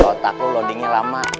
otak lo loadingnya lama